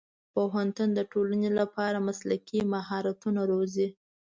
پوهنتون د ټولنې لپاره مسلکي مهارتونه روزي.